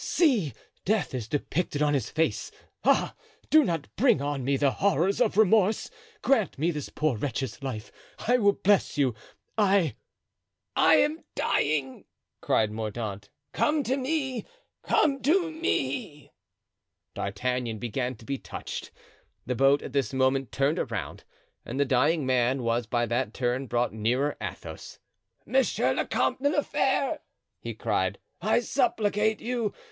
See! death is depicted on his face! Ah! do not bring on me the horrors of remorse! Grant me this poor wretch's life. I will bless you—I——" "I am dying!" cried Mordaunt, "come to me! come to me!" D'Artagnan began to be touched. The boat at this moment turned around, and the dying man was by that turn brought nearer Athos. "Monsieur the Comte de la Fere," he cried, "I supplicate you!